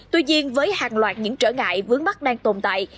tuy nhiên với hàng loạt những trở ngại vướng mắt đang tồn tại